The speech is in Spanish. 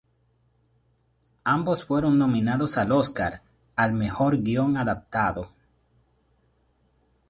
Ambos fueron nominados al Óscar al mejor guion adaptado.